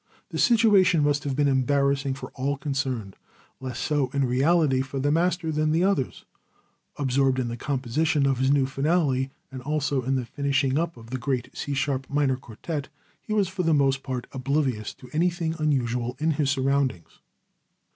The situation must have been embarrassing for all concerned, less so in reality for the master than for the others. Absorbed in the composition of the new finale, and also in the finishing up of the great C sharp minor Quartet, he was for the most part oblivious to anything unusual in his surroundings.